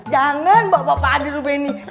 jangan bawa apa apaan di rumennya